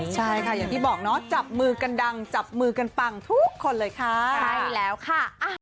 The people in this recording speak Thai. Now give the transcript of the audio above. ใช่ค่ะอย่างที่บอกเนาะจับมือกันดังจับมือกันปังทุกคนเลยค่ะใช่แล้วค่ะ